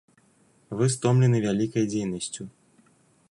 Вы стомлены вялікай дзейнасцю.